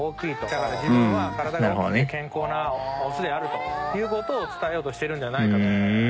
だから自分は体が大きくて健康なオスであるという事を伝えようとしているんではないかと。